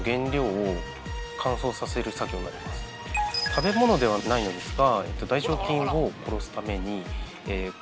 食べ物ではないのですが。